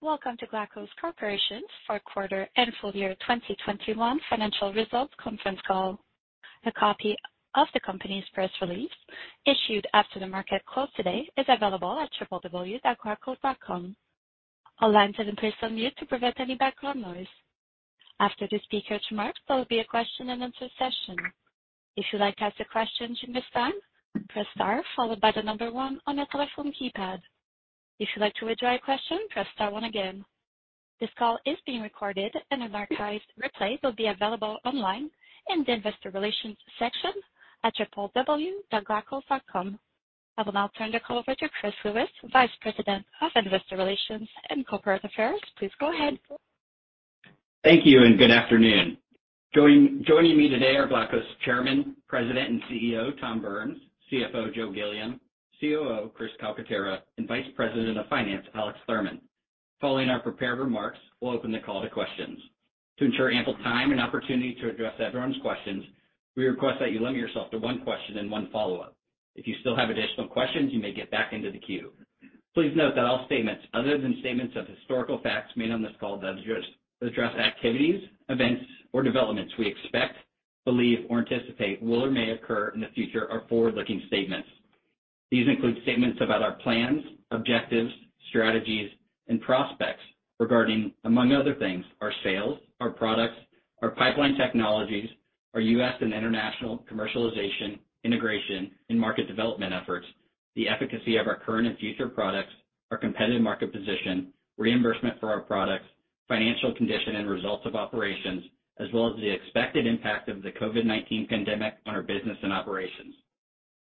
Welcome to Glaukos Corporation's Q4 and full year 2021 financial results conference call. A copy of the company's press release issued after the market closed today is available at www.glaukos.com. All lines have been placed on mute to prevent any background noise. After the speaker's remarks, there will be a Q&A session. If you'd like to ask a question during this time, press star followed by the number one on your telephone keypad. If you'd like to withdraw your question, press star one again. This call is being recorded and an archived replay will be available online in the Investor Relations section at www.glaukos.com. I will now turn the call over to Chris Lewis, Vice President of Investor Relations and Corporate Affairs. Please go ahead. Thank you and good afternoon. Joining me today are Glaukos Chairman, President, and Chief Executive Officer Tom Burns, Chief Financial Officer Joe Gilliam, Chief Operating Officer Chris Calcaterra, and Vice President of Finance Alex Thurman. Following our prepared remarks, we'll open the call to questions. To ensure ample time and opportunity to address everyone's questions, we request that you limit yourself to one question and one follow-up. If you still have additional questions, you may get back into the queue. Please note that all statements other than statements of historical facts made on this call that address activities, events, or developments we expect, believe, or anticipate will or may occur in the future are forward-looking statements. These include statements about our plans, objectives, strategies, and prospects regarding, among other things, our sales, our products, our pipeline technologies, our U.S. and international commercialization, integration and market development efforts, the efficacy of our current and future products, our competitive market position, reimbursement for our products, financial condition and results of operations, as well as the expected impact of the COVID-19 pandemic on our business and operations.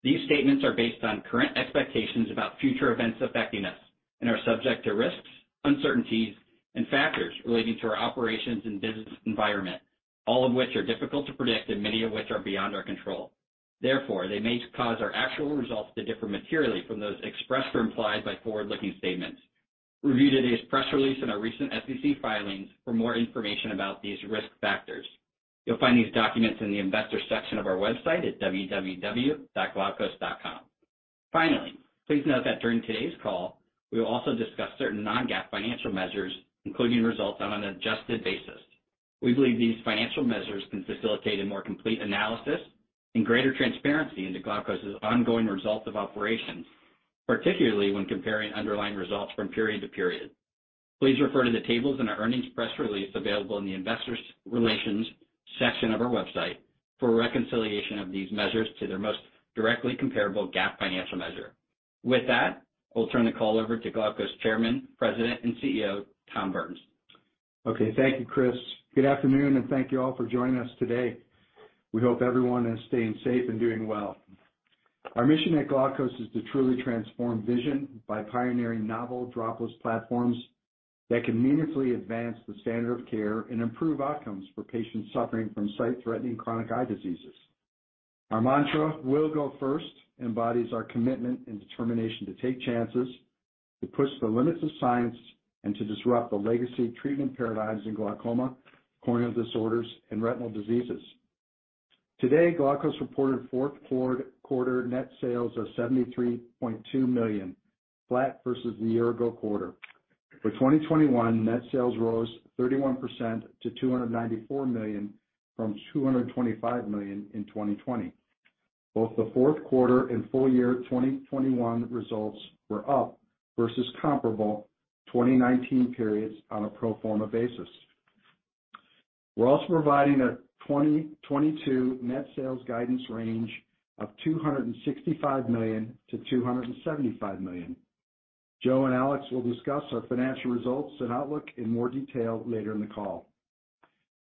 These statements are based on current expectations about future events affecting us and are subject to risks, uncertainties, and factors relating to our operations and business environment, all of which are difficult to predict and many of which are beyond our control. Therefore, they may cause our actual results to differ materially from those expressed or implied by forward-looking statements. Review today's press release and our recent SEC filings for more information about these risk factors. You'll find these documents in the investor section of our website at www.glaukos.com. Finally, please note that during today's call, we will also discuss certain non-GAAP financial measures, including results on an adjusted basis. We believe these financial measures can facilitate a more complete analysis and greater transparency into Glaukos' ongoing results of operations, particularly when comparing underlying results from period to period. Please refer to the tables in our earnings press release available in the Investor Relations section of our website for a reconciliation of these measures to their most directly comparable GAAP financial measure. With that, I'll turn the call over to Glaukos Chairman, President and Chief Executive Officer, Tom Burns. Okay, thank you, Chris. Good afternoon, and thank you all for joining us today. We hope everyone is staying safe and doing well. Our mission at Glaukos is to truly transform vision by pioneering novel dropless platforms that can meaningfully advance the standard of care and improve outcomes for patients suffering from sight-threatening chronic eye diseases. Our mantra, we'll go first, embodies our commitment and determination to take chances, to push the limits of science, and to disrupt the legacy treatment paradigms in glaucoma, corneal disorders, and retinal diseases. Today, Glaukos reported Q4 net sales of $73.2 million, flat versus the year ago quarter. For 2021, net sales rose 31% to $294 million from $225 million in 2020. Both the Q4 and full year 2021 results were up versus comparable 2019 periods on a pro forma basis. We're also providing a 2022 net sales guidance range of $265 million-$275 million. Joe and Alex will discuss our financial results and outlook in more detail later in the call.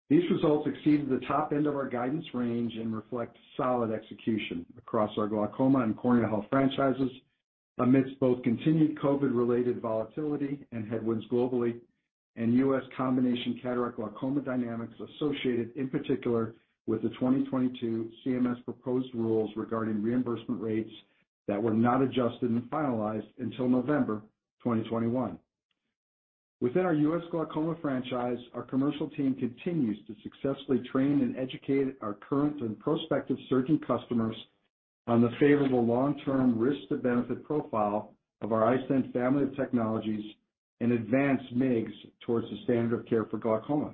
These results exceeded the top end of our guidance range and reflect solid execution across our glaucoma and cornea health franchises amidst both continued COVID-related volatility and headwinds globally and U.S. combination cataract glaucoma dynamics associated in particular with the 2022 CMS proposed rules regarding reimbursement rates that were not adjusted and finalized until November 2021. Within our U.S. glaucoma franchise, our commercial team continues to successfully train and educate our current and prospective surgeon customers on the favorable long-term risk to benefit profile of our iStent family of technologies and advanced MIGS towards the standard of care for glaucoma.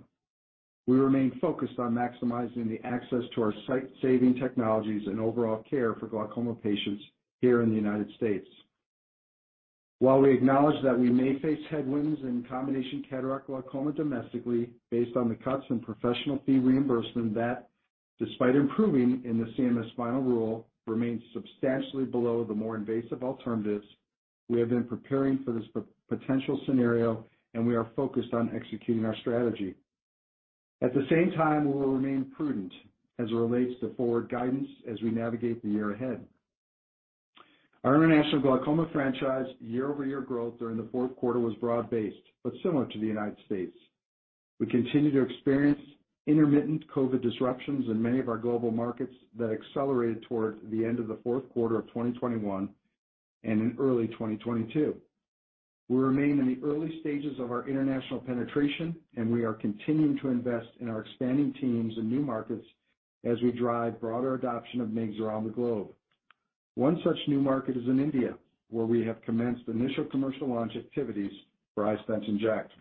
We remain focused on maximizing the access to our sight-saving technologies and overall care for glaucoma patients here in the United States. While we acknowledge that we may face headwinds in combination cataract glaucoma domestically based on the cuts in professional fee reimbursement that despite improving in the CMS final rule, remains substantially below the more invasive alternatives, we have been preparing for this potential scenario, and we are focused on executing our strategy. At the same time, we will remain prudent as it relates to forward guidance as we navigate the year ahead. Our international glaucoma franchise year-over-year growth during the Q4 was broad-based but similar to the United States. We continue to experience intermittent COVID disruptions in many of our global markets that accelerated towards the end of the Q4 of 2021 and in early 2022. We remain in the early stages of our international penetration, and we are continuing to invest in our expanding teams and new markets as we drive broader adoption of MIGS around the globe. One such new market is in India, where we have commenced initial commercial launch activities for iStent inject.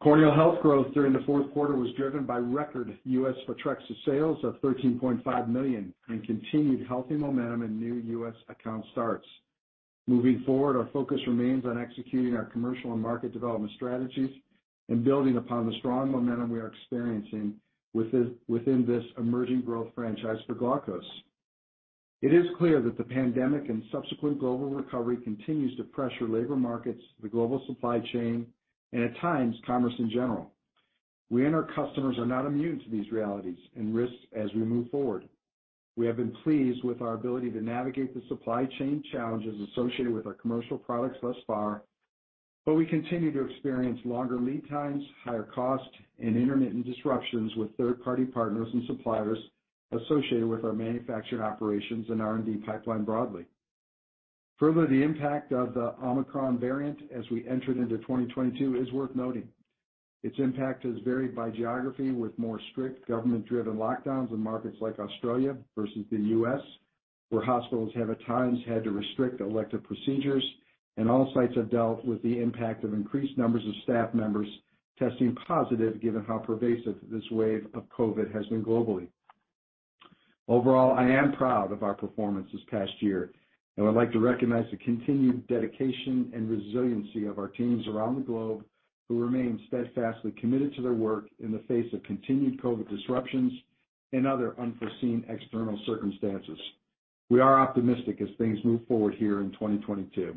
Corneal health growth during the Q4 was driven by record U.S. Photrexa sales of $13.5 million and continued healthy momentum in new U.S. account starts. Moving forward, our focus remains on executing our commercial and market development strategies and building upon the strong momentum we are experiencing within this emerging growth franchise for glaucoma. It is clear that the pandemic and subsequent global recovery continues to pressure labor markets, the global supply chain, and at times, commerce in general. We and our customers are not immune to these realities and risks as we move forward. We have been pleased with our ability to navigate the supply chain challenges associated with our commercial products thus far, but we continue to experience longer lead times, higher costs, and intermittent disruptions with third-party partners and suppliers associated with our manufacturing operations and R&D pipeline broadly. Further, the impact of the Omicron variant as we entered into 2022 is worth noting. Its impact has varied by geography with more strict government-driven lockdowns in markets like Australia versus the U.S., where hospitals have at times had to restrict elective procedures, and all sites have dealt with the impact of increased numbers of staff members testing positive given how pervasive this wave of COVID has been globally. Overall, I am proud of our performance this past year, and I'd like to recognize the continued dedication and resiliency of our teams around the globe who remain steadfastly committed to their work in the face of continued COVID disruptions and other unforeseen external circumstances. We are optimistic as things move forward here in 2022.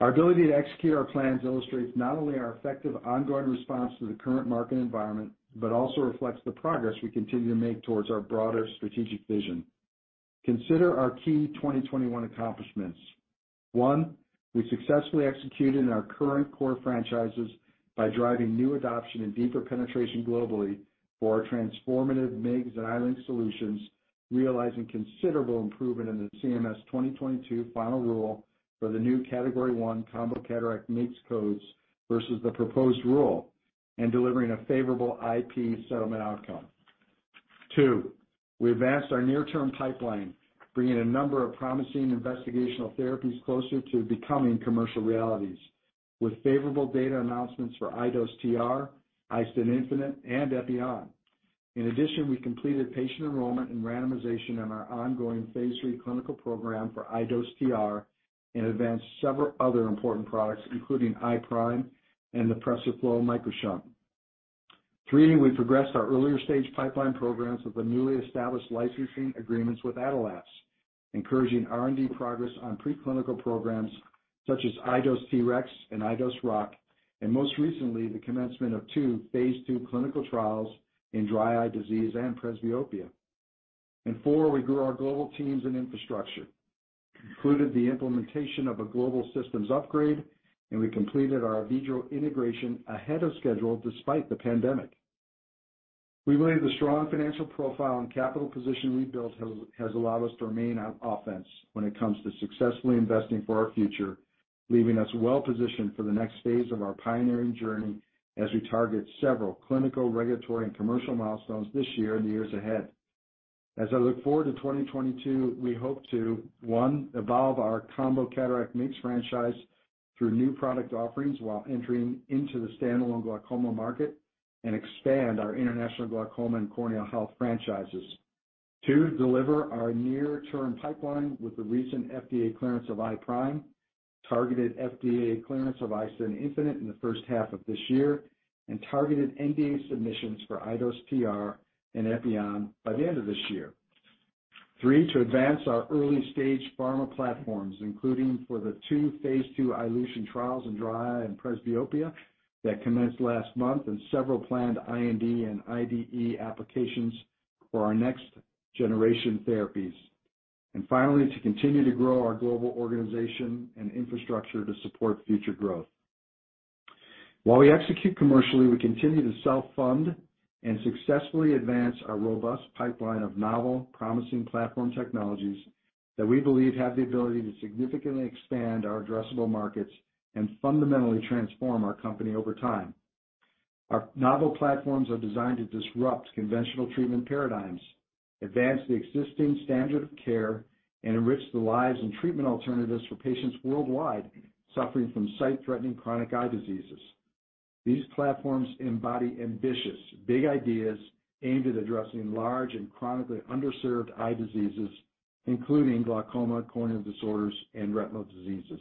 Our ability to execute our plans illustrates not only our effective ongoing response to the current market environment but also reflects the progress we continue to make towards our broader strategic vision. Consider our key 2021 accomplishments. One, we successfully executed in our current core franchises by driving new adoption and deeper penetration globally for our transformative MIGS and iLink solutions, realizing considerable improvement in the CMS 2022 final rule for the new category one combo cataract MIGS codes versus the proposed rule and delivering a favorable IP settlement outcome. Two, we advanced our near-term pipeline, bringing a number of promising investigational therapies closer to becoming commercial realities with favorable data announcements for iDose TR, iStent infinite, and Epioxa. In addition, we completed patient enrollment and randomization in our phase III clinical program for iDose TR and advanced several other important products, including iPRIME and the PRESERFLO MicroShunt. Three, we progressed our earlier stage pipeline programs with the newly established licensing agreements with Attillaps, encouraging R&D progress on preclinical programs such as iDose TREX and iDose ROCK, and most recently, the commencement of phase II clinical trials in dry eye disease and presbyopia. Four, we grew our global teams and infrastructure, concluded the implementation of a global systems upgrade, and we completed our Alcon integration ahead of schedule despite the pandemic. We believe the strong financial profile and capital position we built has allowed us to remain on offense when it comes to successfully investing for our future, leaving us well-positioned for the next phase of our pioneering journey as we target several clinical, regulatory, and commercial milestones this year and the years ahead. As I look forward to 2022, we hope to, one, evolve our combo cataract MIGS franchise through new product offerings while entering into the standalone glaucoma market and expand our international glaucoma and corneal health franchises. Two, deliver our near-term pipeline with the recent FDA clearance of iPRIME, targeted FDA clearance of iStent infinite in the first half of this year, and targeted NDA submissions for iDose TR and Epioxa by the end of this year. Three, to advance our early-stage pharma platforms, including for the two phase II iLution trials in dry eye and presbyopia that commenced last month and several planned IND and IDE applications for our next-generation therapies. To continue to grow our global organization and infrastructure to support future growth. While we execute commercially, we continue to self-fund and successfully advance our robust pipeline of novel promising platform technologies that we believe have the ability to significantly expand our addressable markets and fundamentally transform our company over time. Our novel platforms are designed to disrupt conventional treatment paradigms, advance the existing standard of care, and enrich the lives and treatment alternatives for patients worldwide suffering from sight-threatening chronic eye diseases. These platforms embody ambitious big ideas aimed at addressing large and chronically underserved eye diseases, including glaucoma, corneal disorders, and retinal diseases.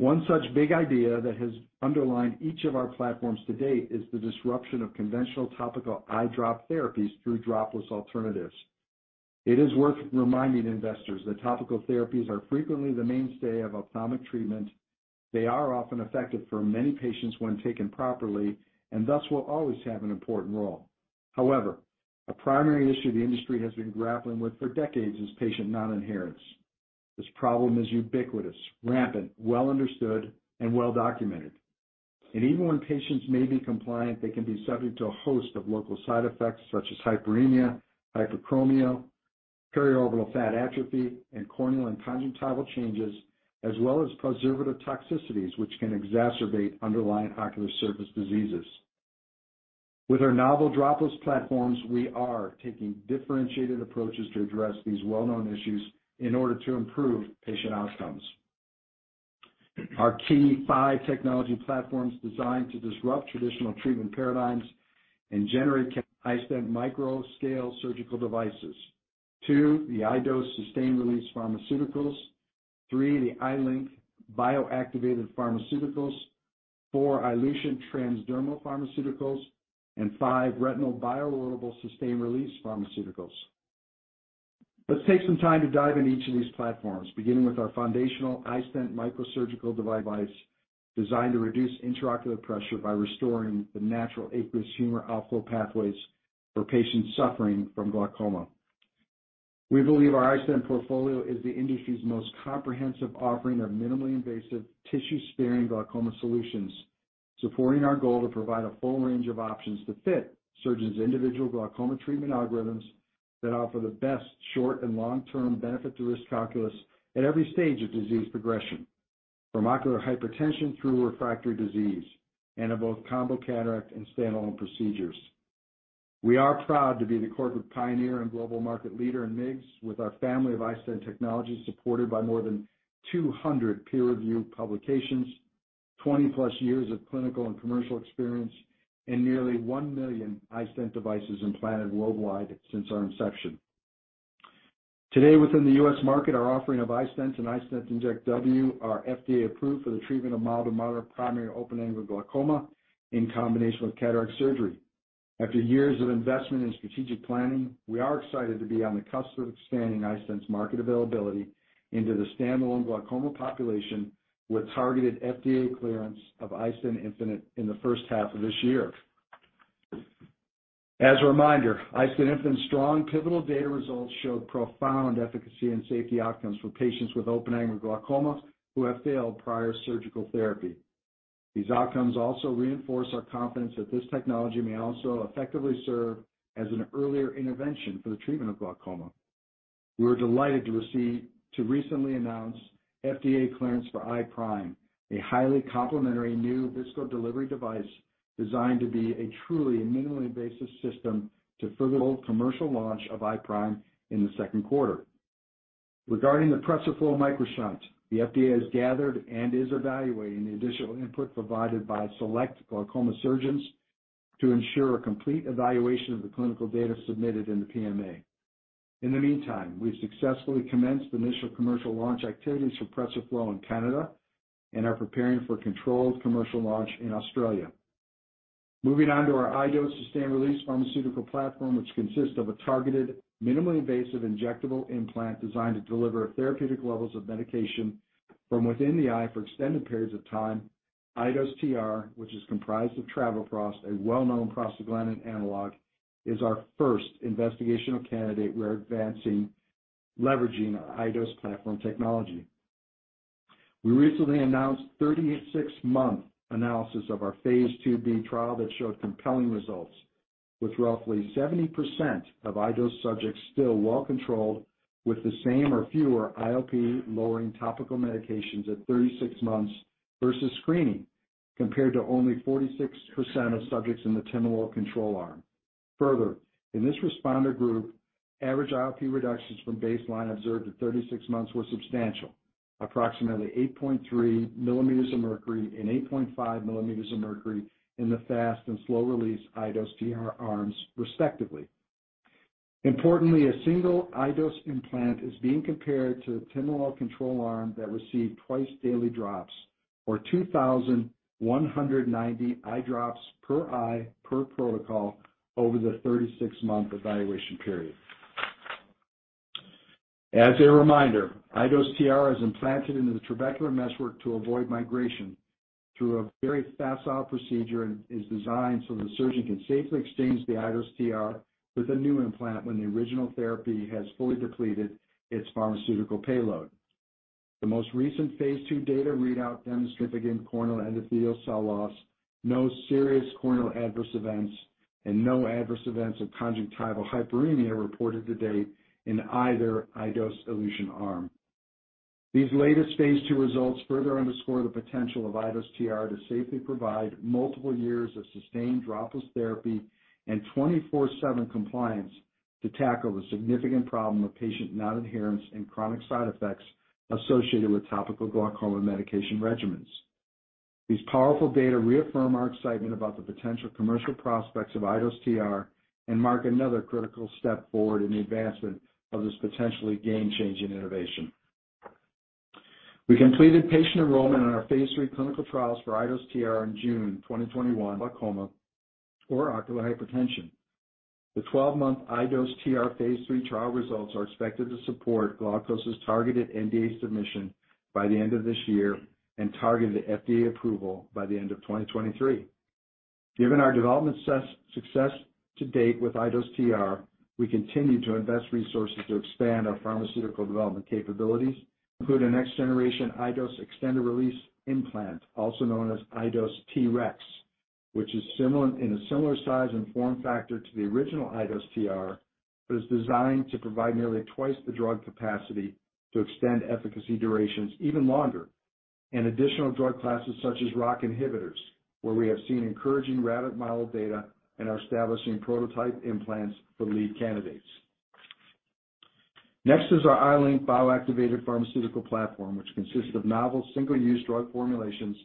One such big idea that has underlined each of our platforms to date is the disruption of conventional topical eye drop therapies through dropless alternatives. It is worth reminding investors that topical therapies are frequently the mainstay of ophthalmic treatment. They are often effective for many patients when taken properly and thus will always have an important role. However, a primary issue the industry has been grappling with for decades is patient non-adherence. This problem is ubiquitous, rampant, well understood, and well documented. Even when patients may be compliant, they can be subject to a host of local side effects such as hyperemia, hypochromia, periorbital fat atrophy, and corneal and conjunctival changes, as well as preservative toxicities which can exacerbate underlying ocular surface diseases. With our novel dropless platforms, we are taking differentiated approaches to address these well-known issues in order to improve patient outcomes. Our key five technology platforms designed to disrupt traditional treatment paradigms. One, the iStent micro-scale surgical devices. Two, the iDose sustained-release pharmaceuticals. Three, the iLink bioactivated pharmaceuticals. Four, iLution transdermal pharmaceuticals. And five, Retina XR sustained-release pharmaceuticals. Let's take some time to dive into each of these platforms, beginning with our foundational iStent microsurgical device designed to reduce intraocular pressure by restoring the natural aqueous humor outflow pathways for patients suffering from glaucoma. We believe our iStent portfolio is the industry's most comprehensive offering of minimally invasive tissue-sparing glaucoma solutions, supporting our goal to provide a full range of options to fit surgeons' individual glaucoma treatment algorithms that offer the best short- and long-term benefit-to-risk calculus at every stage of disease progression, from ocular hypertension through refractory disease, and in both combo cataract and standalone procedures. We are proud to be the corporate pioneer and global market leader in MIGS with our family of iStent technologies, supported by more than 200 peer-reviewed publications, +20 years of clinical and commercial experience, and nearly 1 million iStent devices implanted worldwide since our inception. Today, within the U.S. market, our offering of iStent and iStent inject W are FDA approved for the treatment of mild to moderate primary open-angle glaucoma in combination with cataract surgery. After years of investment in strategic planning, we are excited to be on the cusp of expanding iStent's market availability into the standalone glaucoma population with targeted FDA clearance of iStent infinite in the first half of this year. As a reminder, iStent infinite's strong pivotal data results showed profound efficacy and safety outcomes for patients with open-angle glaucoma who have failed prior surgical therapy. These outcomes also reinforce our confidence that this technology may also effectively serve as an earlier intervention for the treatment of glaucoma. We were delighted to recently announce FDA clearance for iPRIME, a highly complementary new viscodelivery device designed to be a truly minimally invasive system to further commercial launch of iPRIME in the Q2. Regarding the PRESERFLO MicroShunt, the FDA has gathered and is evaluating the additional input provided by select glaucoma surgeons to ensure a complete evaluation of the clinical data submitted in the PMA. In the meantime, we've successfully commenced initial commercial launch activities for PRESERFLO in Canada and are preparing for controlled commercial launch in Australia. Moving on to our iDose sustained release pharmaceutical platform, which consists of a targeted, minimally invasive injectable implant designed to deliver therapeutic levels of medication from within the eye for extended periods of time. iDose TR, which is comprised of travoprost, a well-known prostaglandin analog, is our first investigational candidate we're advancing leveraging our iDose platform technology. We recently announced 36-month analysis of our phase IIb trial that showed compelling results, with roughly 70% of iDose subjects still well controlled with the same or fewer IOP-lowering topical medications at 36 months versus screening, compared to only 46% of subjects in the timolol control arm. Further, in this responder group, average IOP reductions from baseline observed at 36 months were substantial, approximately 8.3 mm Hg and 8.5 mm Hg in the fast- and slow-release iDose TR arms respectively. Importantly, a single iDose implant is being compared to the timolol control arm that received twice-daily drops or 2,190 eye drops per eye per protocol over the 36-month evaluation period. As a reminder, iDose TR is implanted into the trabecular meshwork to avoid migration through a very facile procedure and is designed so the surgeon can safely exchange the iDose TR with a new implant when the original therapy has fully depleted its pharmaceutical payload. The most recent phase II data readout demonstrated no corneal endothelial cell loss, no serious corneal adverse events, and no adverse events of conjunctival hyperemia reported to date in either iDose elution arm. These latest phase II results further underscore the potential of iDose TR to safely provide multiple years of sustained dropless therapy and 24/7 compliance to tackle the significant problem of patient non-adherence and chronic side effects associated with topical glaucoma medication regimens. These powerful data reaffirm our excitement about the potential commercial prospects of iDose TR and mark another critical step forward in the advancement of this potentially game-changing innovation. We completed patient enrollment on phase III clinical trials for iDose TR in June 2021 for glaucoma or ocular hypertension. The 12-month iDose phase III trial results are expected to support Glaukos's targeted NDA submission by the end of this year and targeted FDA approval by the end of 2023. Given our development success to date with iDose TR, we continue to invest resources to expand our pharmaceutical development capabilities, including next generation iDose extended release implant, also known as iDose TREX, which is in a similar size and form factor to the original iDose TR, but is designed to provide nearly twice the drug capacity to extend efficacy durations even longer. Additional drug classes such as ROCK inhibitors, where we have seen encouraging rabbit model data and are establishing prototype implants for lead candidates. Next is our iLink bioactivated pharmaceutical platform, which consists of novel single-use drug formulations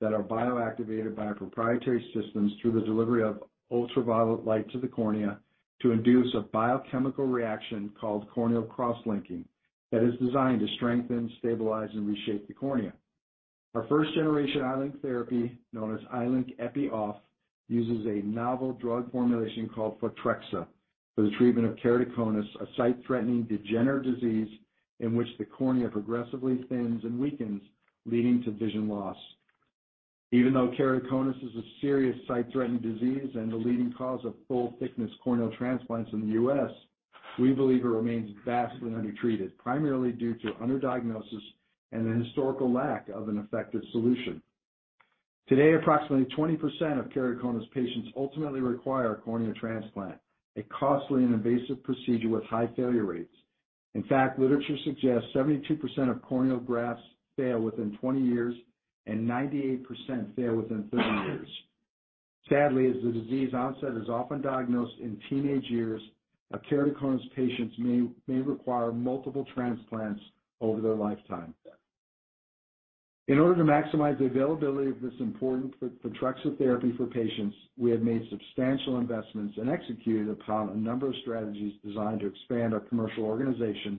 that are bioactivated by our proprietary systems through the delivery of ultraviolet light to the cornea to induce a biochemical reaction called corneal cross-linking, that is designed to strengthen, stabilize, and reshape the cornea. Our first generation iLink therapy, known as iLink Epi-Off, uses a novel drug formulation called Photrexa for the treatment of keratoconus, a sight-threatening degenerative disease in which the cornea progressively thins and weakens, leading to vision loss. Even though keratoconus is a serious sight-threatening disease and the leading cause of full thickness corneal transplants in the U.S., we believe it remains vastly undertreated, primarily due to under-diagnosis and a historical lack of an effective solution. Today, approximately 20% of keratoconus patients ultimately require a cornea transplant, a costly and invasive procedure with high failure rates. In fact, literature suggests 72% of corneal grafts fail within 20 years and 98% fail within 30 years. Sadly, as the disease onset is often diagnosed in teenage years, a keratoconus patients may require multiple transplants over their lifetime. In order to maximize the availability of this important Photrexa therapy for patients, we have made substantial investments and executed a number of strategies designed to expand our commercial organization,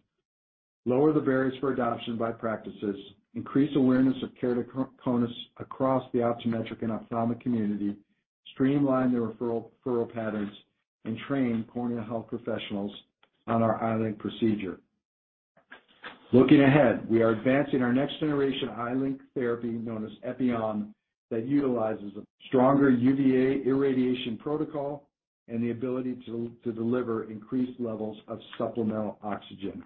lower the barriers for adoption by practices, increase awareness of keratoconus across the optometric and ophthalmic community, streamline the referral patterns, and train corneal health professionals on our iLink procedure. Looking ahead, we are advancing our next generation iLink therapy known as Epioxa, that utilizes a stronger UVA irradiation protocol and the ability to deliver increased levels of supplemental oxygen.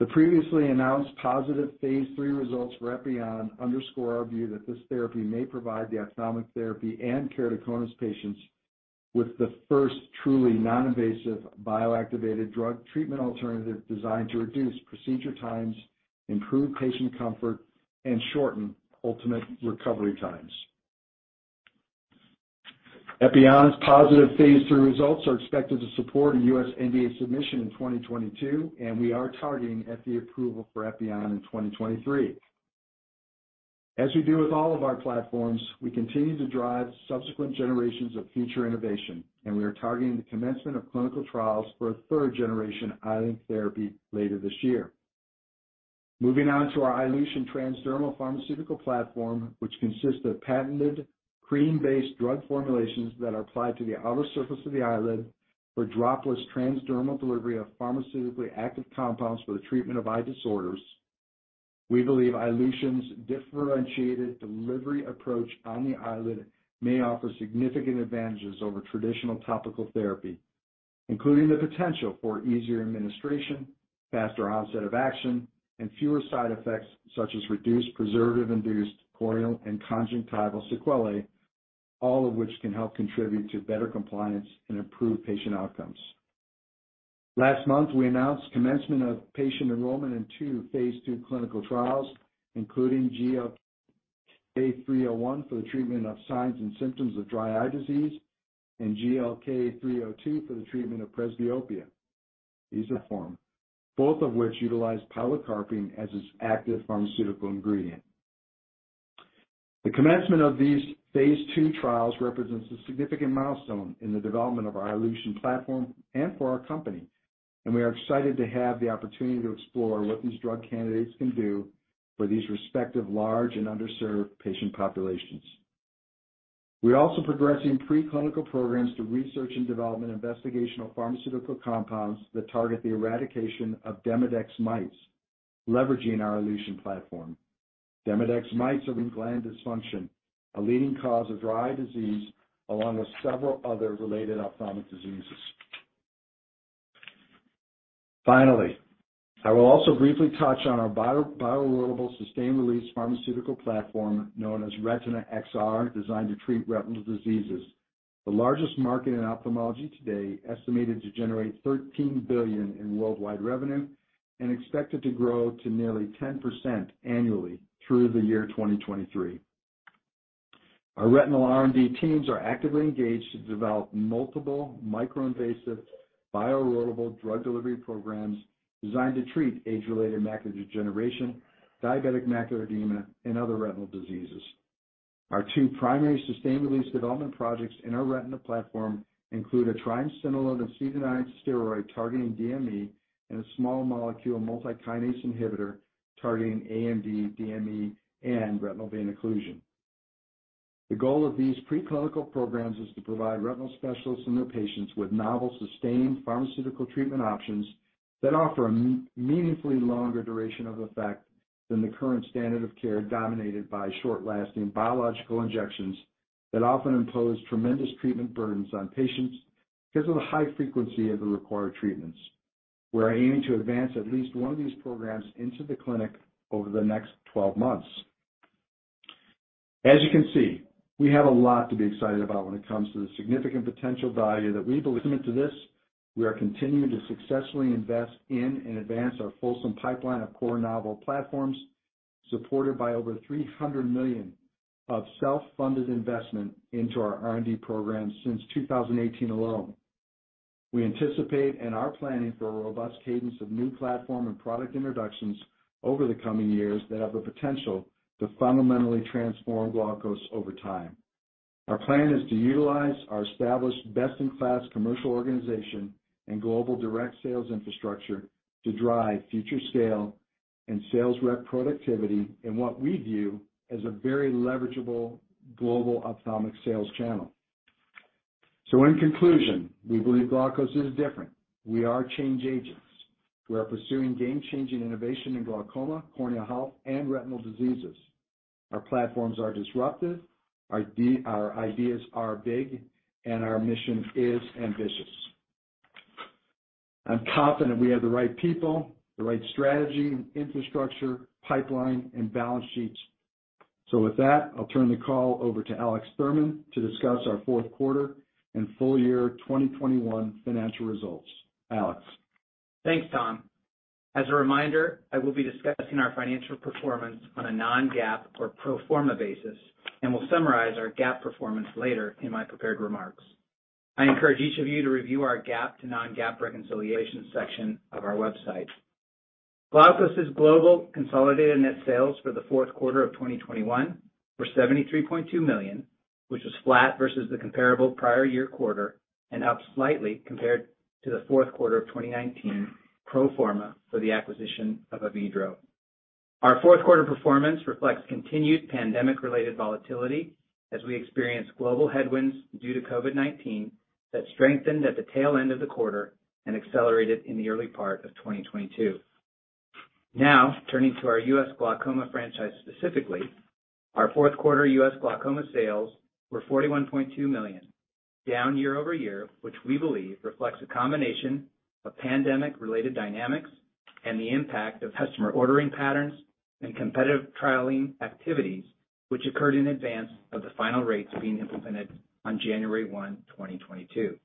The previously announced phase III results for Epioxa underscore our view that this therapy may provide the ophthalmic therapy and keratoconus patients with the first truly non-invasive bioactivated drug treatment alternative designed to reduce procedure times, improve patient comfort, and shorten ultimate recovery times. Epioxa's phase III results are expected to support a U.S. NDA submission in 2022, and we are targeting FDA approval for Epioxa in 2023. As we do with all of our platforms, we continue to drive subsequent generations of future innovation, and we are targeting the commencement of clinical trials for a third generation iLink therapy later this year. Moving on to our iLution transdermal pharmaceutical platform, which consists of patented cream-based drug formulations that are applied to the outer surface of the eyelid for dropless transdermal delivery of pharmaceutically active compounds for the treatment of eye disorders. We believe iLution's differentiated delivery approach on the eyelid may offer significant advantages over traditional topical therapy, including the potential for easier administration, faster onset of action, and fewer side effects such as reduced preservative-induced corneal and conjunctival sequelae, all of which can help contribute to better compliance and improve patient outcomes. Last month, we announced commencement of patient enrollment two phase II clinical trials, including GLK-301 for the treatment of signs and symptoms of dry eye disease and GLK-302 for the treatment of presbyopia. These are formulations, both of which utilize pilocarpine as its active pharmaceutical ingredient. The commencement of these phase II trials represents a significant milestone in the development of our iLution platform and for our company, and we are excited to have the opportunity to explore what these drug candidates can do for these respective large and underserved patient populations. We're also progressing preclinical programs to research and development investigational pharmaceutical compounds that target the eradication of Demodex mites, leveraging our iLution platform. Demodex mites cause meibomian gland dysfunction, a leading cause of dry eye disease, along with several other related ophthalmic diseases. Finally, I will also briefly touch on our bio-rollable sustained release pharmaceutical platform known as Retina XR, designed to treat retinal diseases. The largest market in ophthalmology today estimated to generate $13 billion in worldwide revenue and expected to grow to nearly 10% annually through the year 2023. Our retinal R&D teams are actively engaged to develop multiple micro-invasive bio-rollable drug delivery programs designed to treat age-related macular degeneration, diabetic macular edema, and other retinal diseases. Our two primary sustained release development projects in our retina platform include a triamcinolone acetonide steroid targeting DME and a small molecule multi-kinase inhibitor targeting AMD, DME, and retinal vein occlusion. The goal of these preclinical programs is to provide retinal specialists and their patients with novel sustained pharmaceutical treatment options that offer a meaningfully longer duration of effect than the current standard of care dominated by short-lasting biological injections that often impose tremendous treatment burdens on patients because of the high frequency of the required treatments. We are aiming to advance at least one of these programs into the clinic over the next twelve months. As you can see, we have a lot to be excited about when it comes to the significant potential value that we believe in to this. We are continuing to successfully invest in and advance our fulsome pipeline of core novel platforms, supported by over $300 million of self-funded investment into our R&D program since 2018 alone. We anticipate and are planning for a robust cadence of new platform and product introductions over the coming years that have the potential to fundamentally transform Glaukos over time. Our plan is to utilize our established best-in-class commercial organization and global direct sales infrastructure to drive future scale and sales rep productivity in what we view as a very leverageable global ophthalmic sales channel. In conclusion, we believe Glaukos is different. We are change agents. We are pursuing game-changing innovation in glaucoma, corneal health, and retinal diseases. Our platforms are disruptive, our ideas are big, and our mission is ambitious. I'm confident we have the right people, the right strategy, infrastructure, pipeline, and balance sheets. With that, I'll turn the call over to Alex Thurman to discuss our Q4 and full year 2021 financial results. Alex. Thanks, Tom. As a reminder, I will be discussing our financial performance on a non-GAAP or pro forma basis, and will summarize our GAAP performance later in my prepared remarks. I encourage each of you to review our GAAP to non-GAAP reconciliation section of our website. Glaukos' global consolidated net sales for the Q4 of 2021 were $73.2 million, which was flat versus the comparable prior year quarter and up slightly compared to the Q4 of 2019 pro forma for the acquisition of Avedro. Our Q4 performance reflects continued pandemic-related volatility as we experienced global headwinds due to COVID-19 that strengthened at the tail end of the quarter and accelerated in the early part of 2022. Now, turning to our U.S. glaucoma franchise specifically, our Q4 U.S. glaucoma sales were $41.2 million, down year-over-year, which we believe reflects a combination of pandemic-related dynamics and the impact of customer ordering patterns and competitive trialing activities which occurred in advance of the final rates being implemented on January 1, 2022.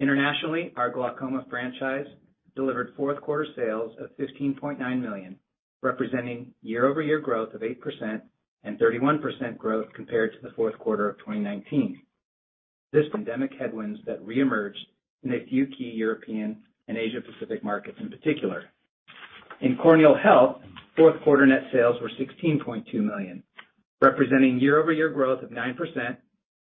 Internationally, our glaucoma franchise delivered Q4 sales of $15.9 million, representing year-over-year growth of 8% and 31% growth compared to the Q4 of 2019 despite these pandemic headwinds that reemerged in a few key European and Asia-Pacific markets in particular. In corneal health, Q4 net sales were $16.2 million, representing year-over-year growth of 9%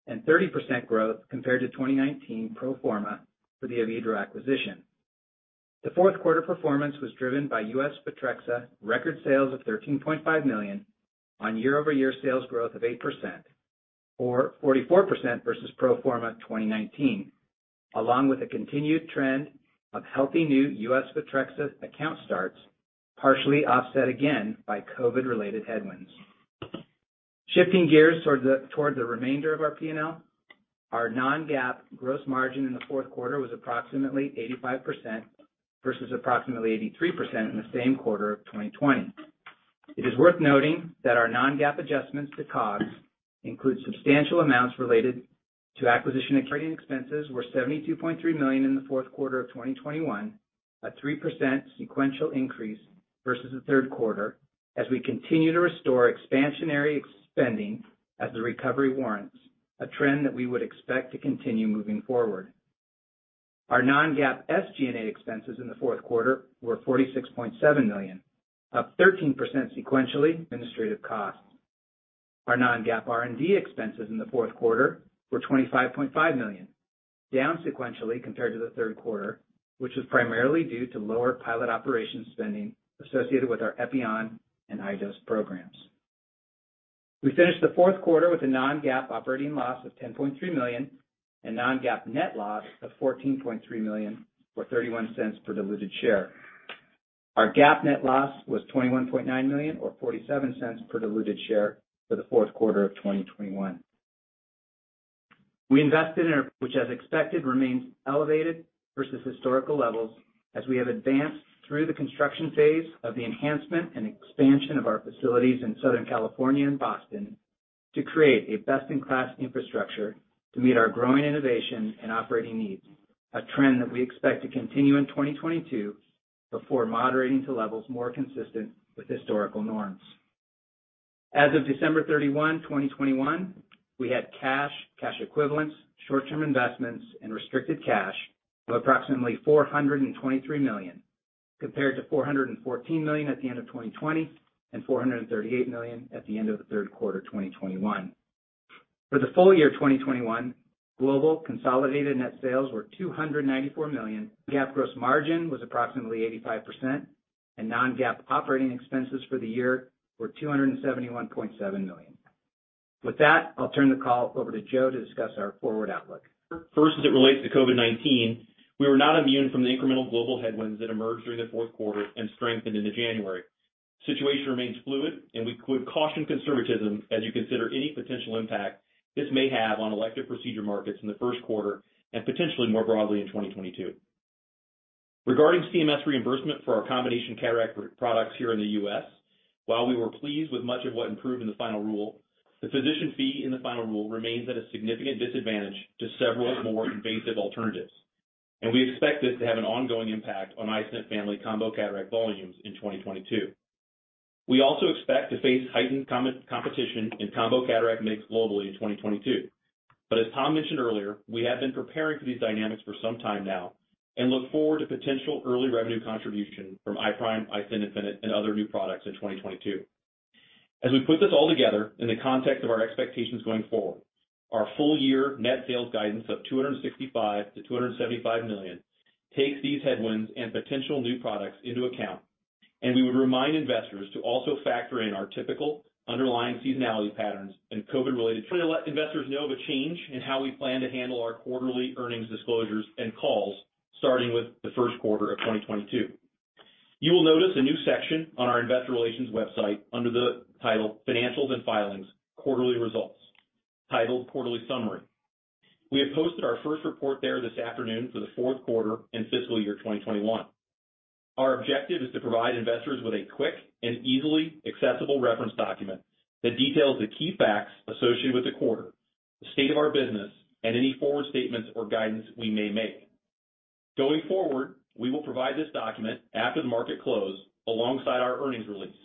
and 30% growth compared to 2019 pro forma for the Avedro acquisition. The Q4 performance was driven by U.S. Photrexa record sales of $13.5 million on year-over-year sales growth of 8% or 44% versus pro forma 2019, along with a continued trend of healthy new U.S. Photrexa account starts, partially offset again by COVID-related headwinds. Shifting gears towards the remainder of our P&L. Our non-GAAP gross margin in the Q4 was approximately 85% versus approximately 83% in the same quarter of 2020. It is worth noting that our non-GAAP adjustments to COGS include substantial amounts related to acquisition. Operating expenses were $72.3 million in the Q4 of 2021, a 3% sequential increase versus the Q3 as we continue to restore expansionary spending as the recovery warrants, a trend that we would expect to continue moving forward. Our non-GAAP SG&A expenses in the Q4 were $46.7 million, up 13% sequentially administrative costs. Our non-GAAP R&D expenses in the Q4 were $25.5 million, down sequentially compared to the Q3, which was primarily due to lower pilot operation spending associated with our Epioxa and iDose programs. We finished the Q4 with a non-GAAP operating loss of $10.3 million and non-GAAP net loss of $14.3 million, or $0.31 per diluted share. Our GAAP net loss was $21.9 million or $0.47 per diluted share for the Q4 of 2021. We invested in our CapEx, which as expected remains elevated versus historical levels as we have advanced through the construction phase of the enhancement and expansion of our facilities in Southern California and Boston to create a best-in-class infrastructure to meet our growing innovation and operating needs, a trend that we expect to continue in 2022 before moderating to levels more consistent with historical norms. As of December 31, 2021, we had cash equivalents, short-term investments, and restricted cash of approximately $423 million, compared to $414 million at the end of 2020 and $438 million at the end of the Q3 of 2021. For the full year 2021, global consolidated net sales were $294 million. GAAP gross margin was approximately 85%, and non-GAAP operating expenses for the year were $271.7 million. With that, I'll turn the call over to Joe to discuss our forward outlook. First, as it relates to COVID-19, we were not immune from the incremental global headwinds that emerged during the Q4 and strengthened into January. Situation remains fluid, and we would caution conservatism as you consider any potential impact this may have on elective procedure markets in the Q1 and potentially more broadly in 2022. Regarding CMS reimbursement for our combination cataract products here in the U.S., while we were pleased with much of what improved in the final rule, the physician fee in the final rule remains at a significant disadvantage to several more invasive alternatives. We expect this to have an ongoing impact on iStent family combo cataract volumes in 2022. We also expect to face heightened competition in combo cataract mix globally in 2022. As Tom mentioned earlier, we have been preparing for these dynamics for some time now and look forward to potential early revenue contribution from iPRIME, iStent infinite, and other new products in 2022. As we put this all together in the context of our expectations going forward, our full year net sales guidance of $265 million-$275 million takes these headwinds and potential new products into account. We would remind investors to also factor in our typical underlying seasonality patterns and COVID-related headwinds. Investors know of a change in how we plan to handle our quarterly earnings disclosures and calls, starting with the Q1 of 2022. You will notice a new section on our investor relations website under the title Financials and Filings, Quarterly Results, titled Quarterly Summary. We have posted our first report there this afternoon for the Q4 and fiscal year 2021. Our objective is to provide investors with a quick and easily accessible reference document that details the key facts associated with the quarter, the state of our business, and any forward statements or guidance we may make. Going forward, we will provide this document after the market close alongside our earnings release,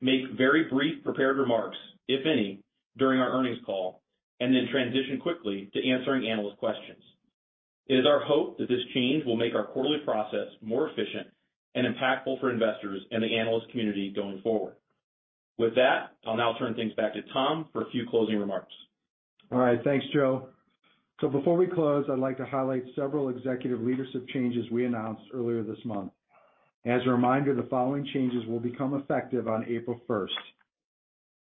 make very brief prepared remarks, if any, during our earnings call, and then transition quickly to answering analyst questions. It is our hope that this change will make our quarterly process more efficient and impactful for investors and the analyst community going forward. With that, I'll now turn things back to Tom for a few closing remarks. All right. Thanks, Joe. Before we close, I'd like to highlight several executive leadership changes we announced earlier this month. As a reminder, the following changes will become effective on April first.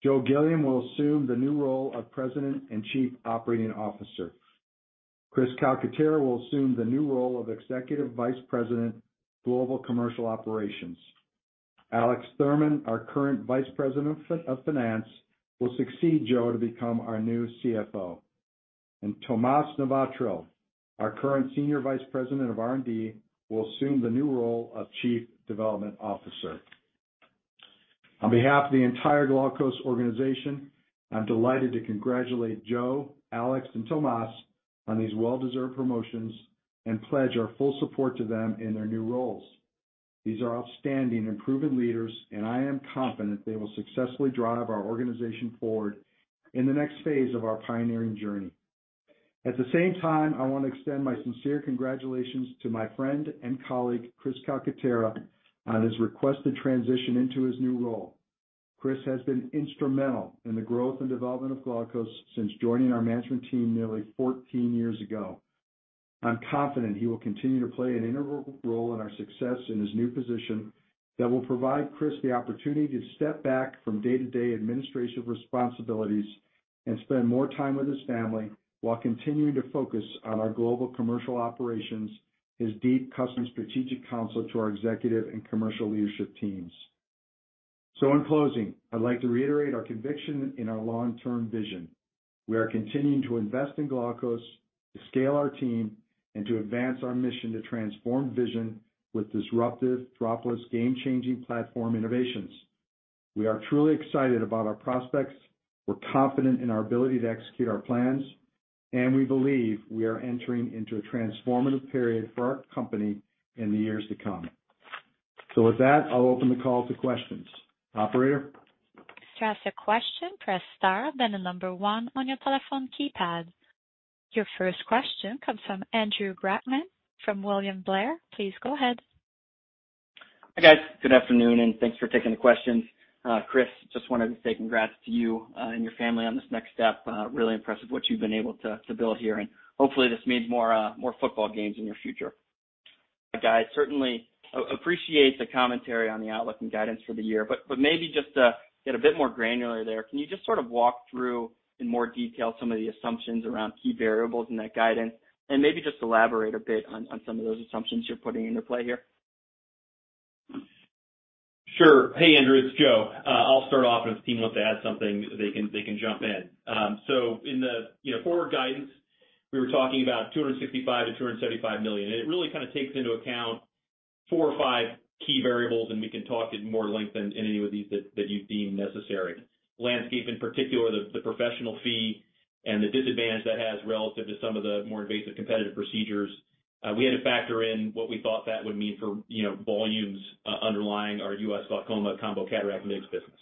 Joe Gilliam will assume the new role of President and Chief Operating Officer. Chris Calcaterra will assume the new role of Executive Vice President, Global Commercial Operations. Alex Thurman, our current Vice President of Finance, will succeed Joe to become our new Chief Financial Officer. Tomas Navratil, our current Senior Vice President of R&D, will assume the new role of Chief Development Officer. On behalf of the entire Glaukos organization, I'm delighted to congratulate Joe, Alex, and Tomas on these well-deserved promotions and pledge our full support to them in their new roles. These are outstanding and proven leaders, and I am confident they will successfully drive our organization forward in the next phase of our pioneering journey. At the same time, I want to extend my sincere congratulations to my friend and colleague, Chris Calcaterra, on his requested transition into his new role. Chris has been instrumental in the growth and development of Glaukos since joining our management team nearly 14 years ago. I'm confident he will continue to play an integral role in our success in his new position that will provide Chris the opportunity to step back from day-to-day administration responsibilities and spend more time with his family while continuing to focus on our global commercial operations, his deep customer strategic counsel to our executive and commercial leadership teams. In closing, I'd like to reiterate our conviction in our long-term vision. We are continuing to invest in Glaukos, to scale our team, and to advance our mission to transform vision with disruptive dropless game-changing platform innovations. We are truly excited about our prospects, we're confident in our ability to execute our plans, and we believe we are entering into a transformative period for our company in the years to come. With that, I'll open the call to questions. Operator? Your first question comes from Andrew Brackmann from William Blair. Please go ahead. Hi, guys. Good afternoon, and thanks for taking the questions. Chris, just wanted to say congrats to you and your family on this next step. Really impressed with what you've been able to build here, and hopefully this means more football games in your future. Guys, certainly appreciate the commentary on the outlook and guidance for the year, but maybe just to get a bit more granular there, can you just sort of walk through in more detail some of the assumptions around key variables in that guidance, and maybe just elaborate a bit on some of those assumptions you're putting into play here? Sure. Hey, Andrew, it's Joe. I'll start off, and if the team wants to add something, they can jump in. So in the forward guidance, we were talking about $265 million-$275 million, and it really kinda takes into account four or five key variables, and we can talk at more length in any of these that you deem necessary, landscape in particular, the professional fee and the disadvantage that has relative to some of the more invasive competitive procedures. We had to factor in what we thought that would mean for volumes underlying our U.S. glaucoma combo cataract mix business.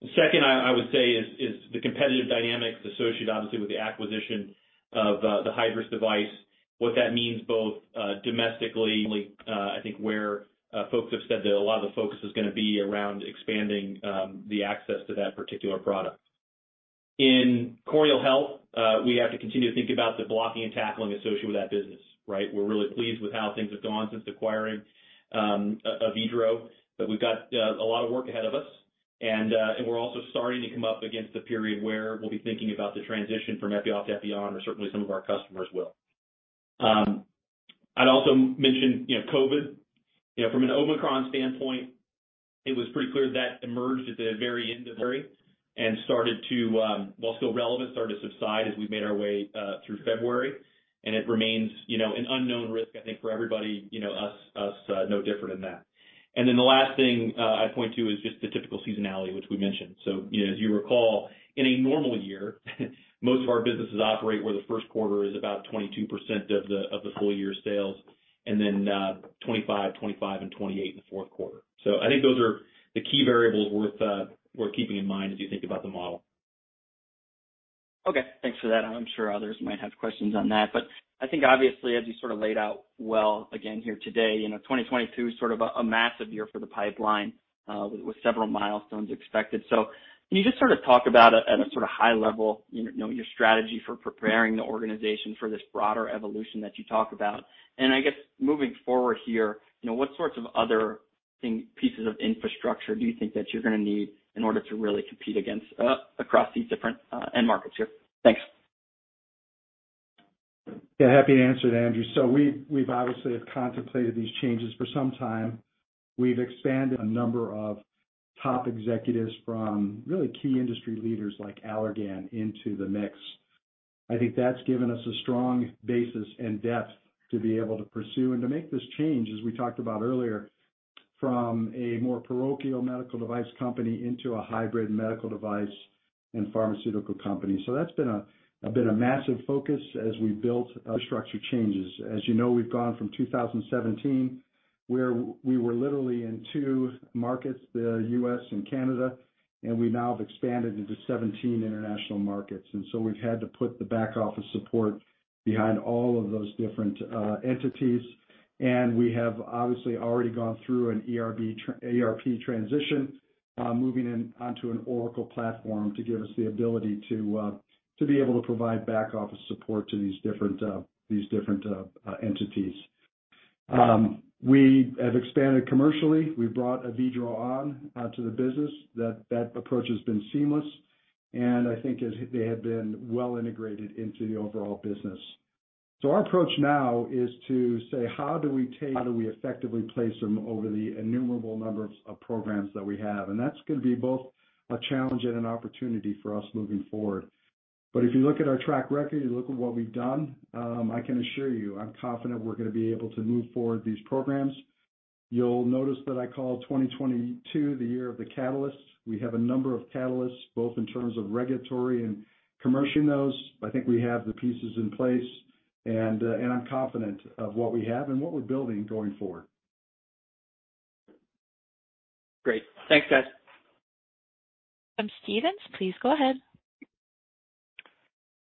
The second I would say is the competitive dynamics associated obviously with the acquisition of the Hydrus device, what that means both domestically, I think where folks have said that a lot of the focus is gonna be around expanding the access to that particular product. In corneal health, we have to continue to think about the blocking and tackling associated with that business, right? We're really pleased with how things have gone since acquiring Avedro, but we've got a lot of work ahead of us. We're also starting to come up against the period where we'll be thinking about the transition from Epi-Off to Epi-On, or certainly some of our customers will. I'd also mention, you know, COVID. You know, from an Omicron standpoint, it was pretty clear that it emerged at the very end of February and started to, while still relevant, started to subside as we made our way through February. It remains, you know, an unknown risk, I think, for everybody, you know, us no different in that. The last thing I'd point to is just the typical seasonality which we mentioned. You know, as you recall, in a normal year, most of our businesses operate where the Q1 is about 22% of the full year sales and then 25, and 28 in the Q4. I think those are the key variables worth keeping in mind as you think about the model. Okay. Thanks for that. I'm sure others might have questions on that. I think obviously, as you sort of laid out well again here today, you know, 2022 is sort of a massive year for the pipeline, with several milestones expected. Can you just sort of talk about at a sort of high level, you know, your strategy for preparing the organization for this broader evolution that you talk about. I guess moving forward here, you know, what sorts of other pieces of infrastructure do you think that you're gonna need in order to really compete against, across these different end markets here? Thanks. Yeah, happy to answer it, Andrew. We’ve obviously have contemplated these changes for some time. We’ve expanded a number of top executives from really key industry leaders like Allergan into the mix. I think that’s given us a strong basis and depth to be able to pursue and to make this change, as we talked about earlier, from a more parochial medical device company into a hybrid medical device and pharmaceutical company. That’s been a massive focus as we built our structure changes. As you know, we’ve gone from 2017, where we were literally in two markets, the U.S. and Canada, and we now have expanded into 17 international markets. We’ve had to put the back office support behind all of those different entities. We have obviously already gone through an ERP transition, moving onto an Oracle platform to give us the ability to provide back office support to these different entities. We have expanded commercially. We've brought Avedro on to the business. That approach has been seamless, and I think they have been well integrated into the overall business. Our approach now is to say, how do we effectively place them over the innumerable number of programs that we have? That's gonna be both a challenge and an opportunity for us moving forward. If you look at our track record, you look at what we've done, I can assure you, I'm confident we're gonna be able to move forward these programs. You'll notice that I called 2022 the year of the catalyst. We have a number of catalysts, both in terms of regulatory and commercializing those. I think we have the pieces in place, and I'm confident of what we have and what we're building going forward. Great. Thanks, guys. From Stephens, please go ahead.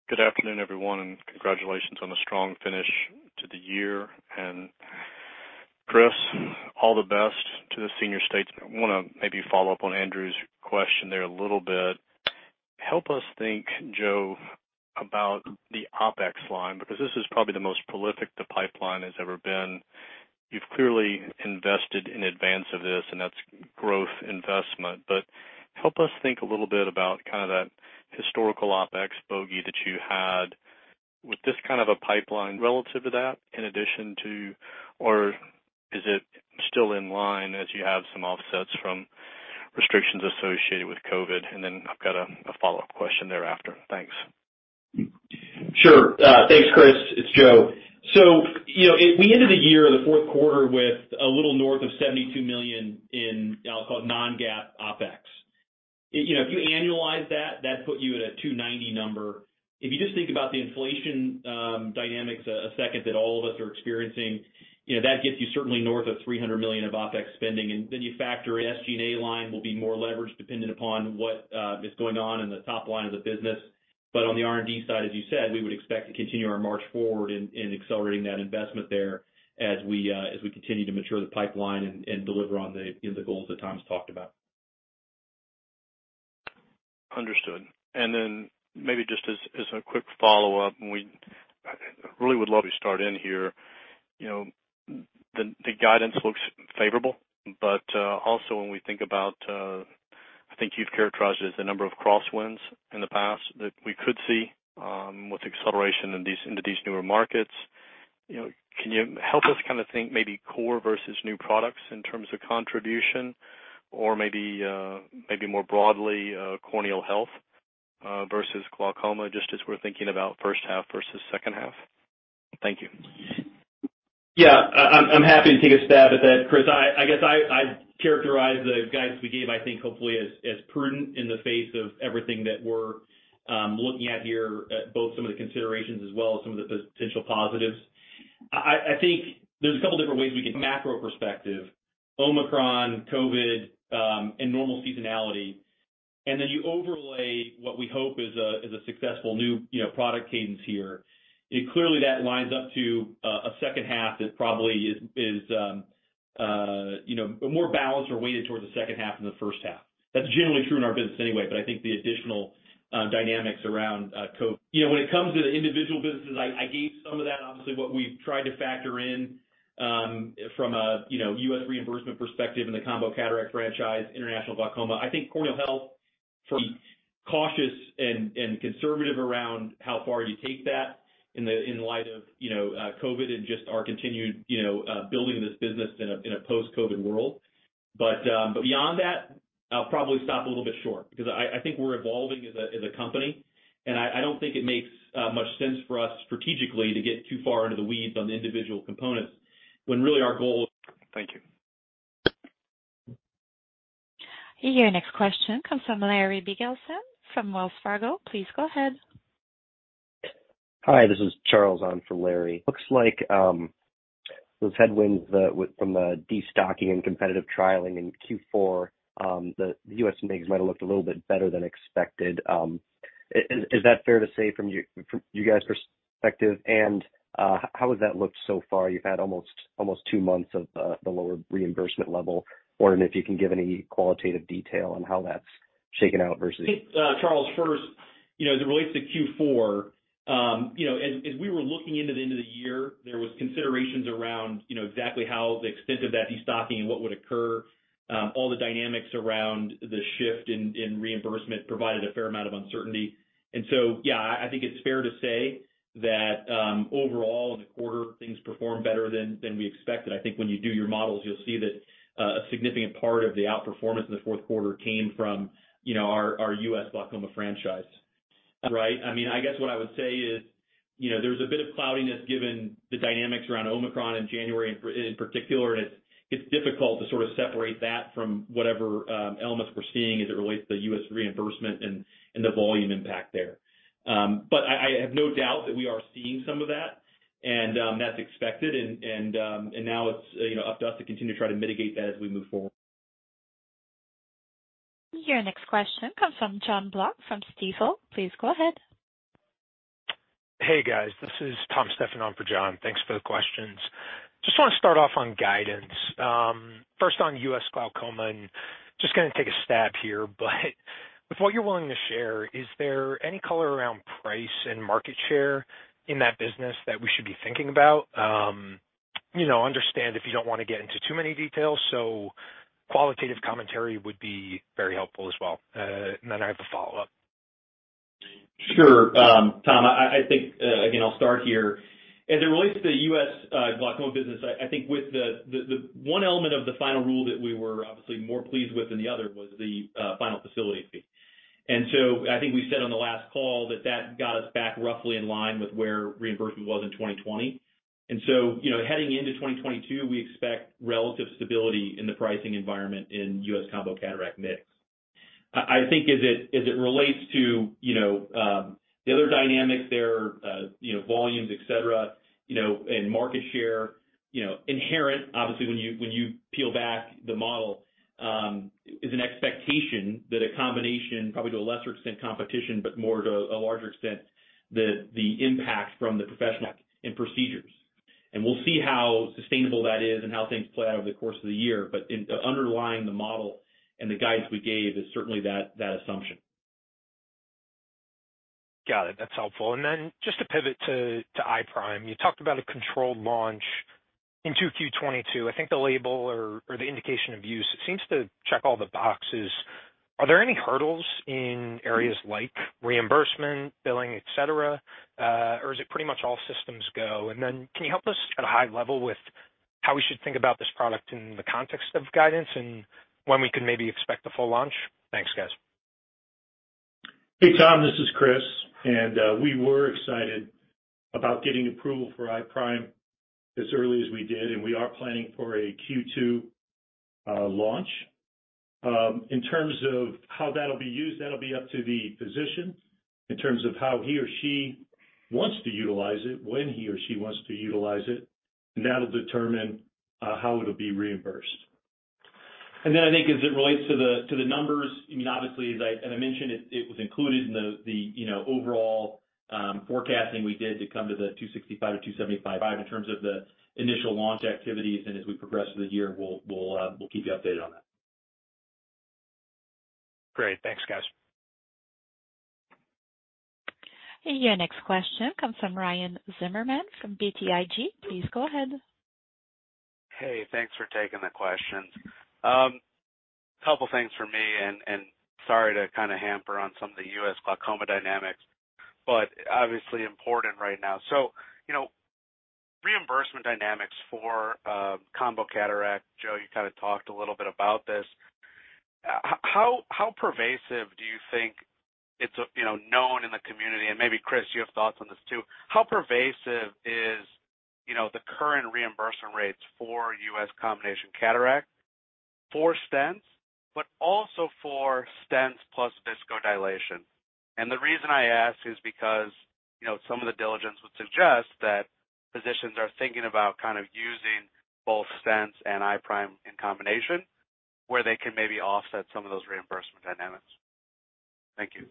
Good afternoon, everyone, and congratulations on the strong finish to the year. Chris, all the best to the senior staff. I wanna maybe follow up on Andrew's question there a little bit. Help us think, Joe, about the OpEx line, because this is probably the most prolific the pipeline has ever been. You've clearly invested in advance of this, and that's growth investment. Help us think a little bit about kind of that historical OpEx bogey that you had with this kind of a pipeline relative to that in addition to or is it still in line as you have some offsets from restrictions associated with COVID. I've got a follow-up question thereafter. Thanks. Sure. Thanks, Chris. It's Joe. So, you know, we ended the year, the Q4, with a little north of $72 million in, I'll call it non-GAAP OpEx. You know, if you annualize that put you at a $290 million number. If you just think about the inflation dynamics a second that all of us are experiencing, you know, that gets you certainly north of $300 million of OpEx spending. Then you factor in SG&A line will be more leveraged depending upon what is going on in the top line of the business. On the R&D side, as you said, we would expect to continue our march forward in accelerating that investment there as we continue to mature the pipeline and deliver on the, you know, the goals that Tom's talked about. Understood. Then maybe just as a quick follow-up, we really would love to start in here. You know, the guidance looks favorable, but also when we think about, I think you've characterized it as the number of crosswinds in the past that we could see, with acceleration into these newer markets. You know, can you help us kind of think maybe core versus new products in terms of contribution or maybe more broadly, corneal health versus glaucoma, just as we're thinking about first half versus second half? Thank you. Yeah. I'm happy to take a stab at that, Chris. I guess I characterize the guidance we gave, I think, hopefully as prudent in the face of everything that we're looking at here, both some of the considerations as well as some of the potential positives. I think there's a couple different ways we get macro perspective, Omicron, COVID-19, and normal seasonality. Then you overlay what we hope is a successful new, you know, product cadence here. Clearly that lines up to a second half that probably is more balanced or weighted towards the second half than the first half. That's generally true in our business anyway, but I think the additional dynamics around COVID. You know, when it comes to the individual businesses, I gave some of that, obviously, what we've tried to factor in from a, you know, U.S. reimbursement perspective in the combo cataract franchise, international glaucoma. I think corneal health, cautious and conservative around how far you take that in the light of, you know, COVID and just our continued, you know, building this business in a post-COVID world. Beyond that, I'll probably stop a little bit short because I think we're evolving as a company, and I don't think it makes much sense for us strategically to get too far into the weeds on the individual components when really our goal- Thank you. Your next question comes from Larry Biegelsen from Wells Fargo. Please go ahead. Hi, this is Charles on for Larry. Looks like those headwinds from the destocking and competitive trialing in Q4, the U.S. mix might have looked a little bit better than expected. Is that fair to say from you guys' perspective? How has that looked so far? You've had almost two months of the lower reimbursement level, and if you can give any qualitative detail on how that's shaken out versus- Charles, first, you know, as it relates to Q4, you know, as we were looking into the end of the year, there was considerations around, you know, exactly how the extent of that destocking and what would occur. All the dynamics around the shift in reimbursement provided a fair amount of uncertainty. Yeah, I think it's fair to say that, overall in the quarter, things performed better than we expected. I think when you do your models, you'll see that, a significant part of the outperformance in the Q4 came from, you know, our U.S. glaucoma franchise. Right. I mean, I guess what I would say is, you know, there's a bit of cloudiness given the dynamics around Omicron in January in particular, and it's difficult to sort of separate that from whatever elements we're seeing as it relates to U.S. reimbursement and the volume impact there. But I have no doubt that we are seeing some of that and that's expected and now it's, you know, up to us to continue to try to mitigate that as we move forward. Your next question comes from Jon Block from Stifel. Please go ahead. Hey, guys. This is Tom Stephan on for Jon. Thanks for the questions. Just wanna start off on guidance. First on U.S. glaucoma, and just gonna take a stab here, but with what you're willing to share, is there any color around price and market share in that business that we should be thinking about? You know, understand if you don't wanna get into too many details, so qualitative commentary would be very helpful as well. I have a follow-up. Sure. Tom, I think again, I'll start here. As it relates to the U.S. glaucoma business, I think with the one element of the final rule that we were obviously more pleased with than the other was the final facility fee. I think we said on the last call that that got us back roughly in line with where reimbursement was in 2020. You know, heading into 2022, we expect relative stability in the pricing environment in U.S. combo cataract mix. I think as it relates to, you know, the other dynamics there, you know, volumes, et cetera, you know, and market share, you know, inherent obviously when you peel back the model, is an expectation that a combination probably to a lesser extent competition, but more to a larger extent the impact from the professional reimbursement procedures. We'll see how sustainable that is and how things play out over the course of the year. In underlying the model and the guidance we gave is certainly that assumption. Got it. That's helpful. Just to pivot to iPRIME, you talked about a controlled launch into Q22. I think the label or the indication of use seems to check all the boxes. Are there any hurdles in areas like reimbursement, billing, et cetera? Or is it pretty much all systems go? Can you help us at a high level with how we should think about this product in the context of guidance and when we can maybe expect the full launch? Thanks, guys. Hey, Tom, this is Chris. We were excited about getting approval for iPRIME as early as we did, and we are planning for a Q2 launch. In terms of how that'll be used, that'll be up to the physician in terms of how he or she wants to utilize it, when he or she wants to utilize it, and that'll determine how it'll be reimbursed. I think as it relates to the numbers, I mean, obviously as I mentioned it was included in the you know, overall forecasting we did to come to the $265 million-$275 million in terms of the initial launch activities. As we progress through the year, we'll keep you updated on that. Great. Thanks, guys. Your next question comes from Ryan Zimmerman from BTIG. Please go ahead. Hey, thanks for taking the questions. A couple of things for me, and sorry to kinda hammer on some of the U.S. glaucoma dynamics, but obviously important right now. You know, reimbursement dynamics for combo cataract, Joe, you kinda talked a little bit about this. How pervasive do you think it's known in the community, and maybe Chris, you have thoughts on this too. How pervasive is the current reimbursement rates for U.S. combination cataract for iStent, but also for iStent plus iPRIME? And the reason I ask is because some of the diligence would suggest that physicians are thinking about kind of using both iStent and iPRIME in combination where they can maybe offset some of those reimbursement dynamics. Thank you.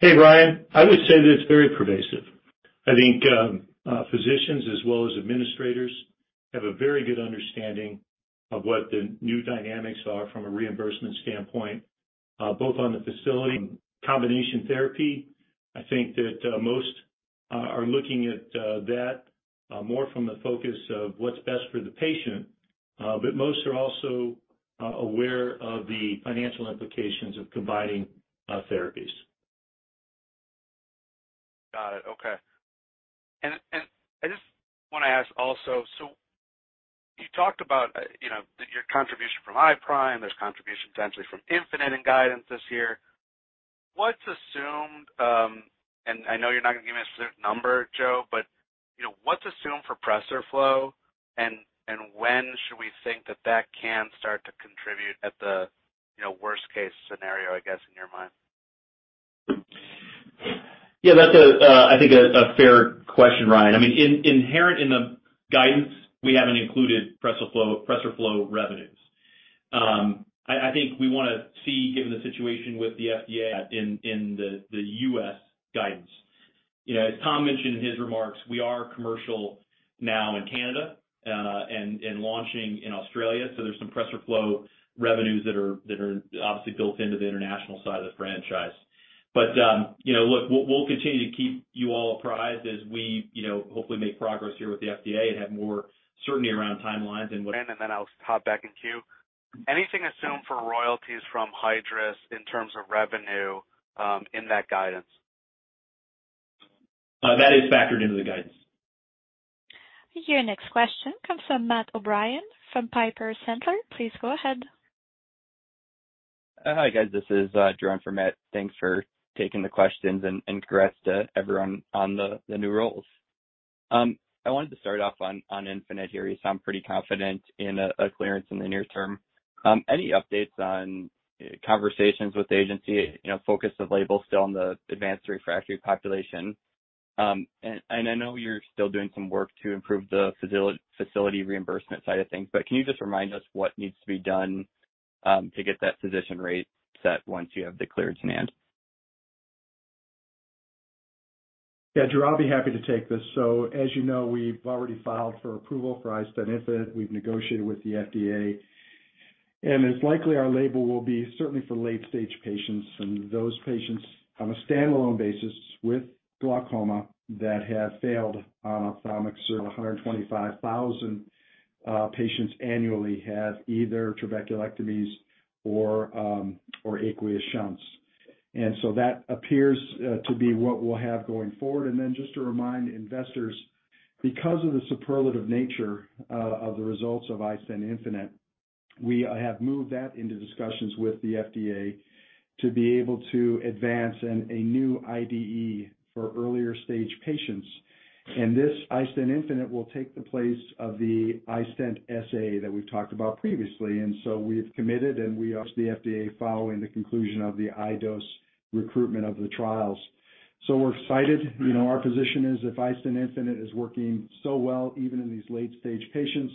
Hey, Ryan. I would say that it's very pervasive. I think, physicians as well as administrators have a very good understanding of what the new dynamics are from a reimbursement standpoint, both on the facility combination therapy. I think that, most are looking at that more from the focus of what's best for the patient. Most are also aware of the financial implications of combining therapies. Got it. Okay. I just wanna ask also. You talked about, you know, your contribution from iPRIME. There's contribution potentially from iStent infinite in guidance this year. What's assumed. I know you're not gonna give me a certain number, Joe. You know, what's assumed for PRESERFLO? When should we think that can start to contribute at the worst case scenario, I guess, in your mind? Yeah. That's, I think, a fair question, Ryan. I mean, inherent in the guidance, we haven't included PRESERFLO revenues. I think we wanna see, given the situation with the FDA in the U.S. guidance. You know, as Tom mentioned in his remarks, we are commercial now in Canada and launching in Australia. So there's some PRESERFLO revenues that are obviously built into the international side of the franchise. But you know, look, we'll continue to keep you all apprised as we you know, hopefully make progress here with the FDA and have more certainty around timelines and what I'll hop back in queue. Anything assumed for royalties from Hydrus in terms of revenue, in that guidance? That is factored into the guidance. Your next question comes from Matt O'Brien from Piper Sandler. Please go ahead. Hi, guys. This is Drew in for Matt. Thanks for taking the questions and congrats to everyone on the new roles. I wanted to start off on iStent infinite here. You sound pretty confident in a clearance in the near term. Any updates on conversations with the agency, you know, focus of label still on the advanced refractory population? And I know you're still doing some work to improve the facility reimbursement side of things, but can you just remind us what needs to be done to get that physician rate set once you have the clearance in hand? Yeah. Drew, I'll be happy to take this. As you know, we've already filed for approval for iStent infinite. We've negotiated with the FDA. It's likely our label will be certainly for late stage patients and those patients on a standalone basis with glaucoma that have failed ophthalmic surgery. 125,000 patients annually have either trabeculectomies or aqueous shunts. That appears to be what we'll have going forward. Just to remind investors, because of the superlative nature of the results of iStent infinite, we have moved that into discussions with the FDA to be able to advance a new IDE for earlier stage patients. This iStent infinite will take the place of the iStent SA that we've talked about previously. We've committed, and we asked the FDA following the conclusion of the iDose recruitment of the trials. We're excited. You know, our position is if iStent infinite is working so well, even in these late-stage patients,